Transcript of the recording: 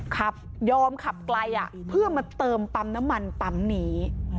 ขับยอมขับไกลเพื่อมาเติมปั๊มน้ำมันปั๊มนี้